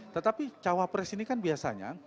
tetapi cawapres ini kan biasanya